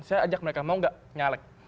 saya ajak mereka mau gak nyalek